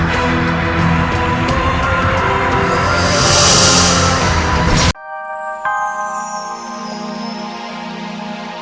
semoga berhasil kakang